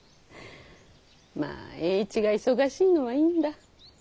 まぁ栄一が忙しいのはいいんだ。